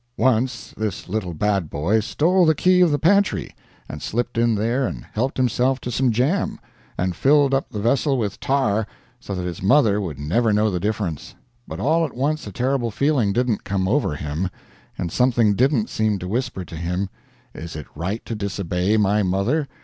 Once this little bad boy stole the key of the pantry, and slipped in there and helped himself to some jam, and filled up the vessel with tar, so that his mother would never know the difference; but all at once a terrible feeling didn't come over him, and something didn't seem to whisper to him, "Is it right to disobey my mother?